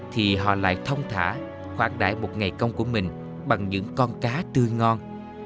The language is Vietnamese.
thì họ lại thong thả khoảng đại một ngày công của mình bằng những con cá tươi ngon